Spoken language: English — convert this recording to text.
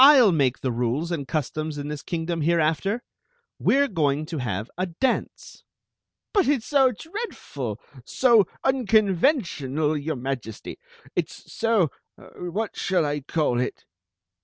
7/ make the rules and customs in this kingdom hereafter. We re going to have a dance." " But it s so dreadM — so unconventional, your Majesty! It s so— what shall I call it?"